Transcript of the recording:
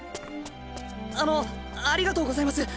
あのっありがとうございます。